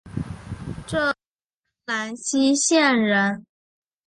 浙江兰溪县人。